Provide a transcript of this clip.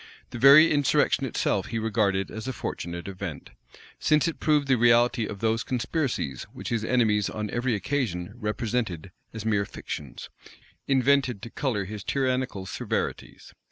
The very insurrection itself he regarded as a fortunate event; since it proved the reality of those conspiracies which his enemies on every occasion represented as mere fictions, invented to color his tyrannical severities.